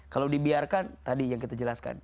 kalau dibiarkan tadi yang kita jelaskan